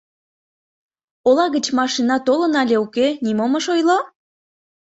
— Ола гыч машина толын але уке, нимом ыш ойло?